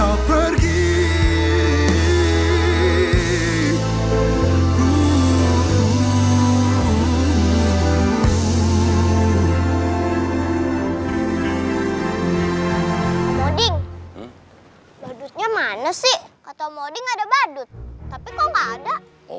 om odin om odin bohong ya